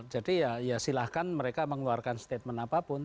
jadi ya silahkan mereka mengeluarkan statement apapun